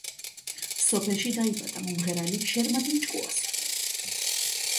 სოფელში დაიბადა მომღერალი შერმადინ ჭკუასელი.